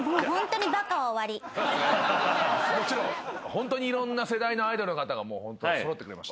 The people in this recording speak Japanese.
ホントにいろんな世代のアイドルの方が揃ってくれました。